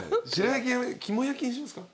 きも焼きにしますか？